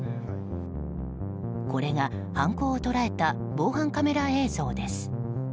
これが、犯行を捉えた防犯カメラ映像です。